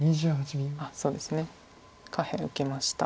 そうですね下辺受けました。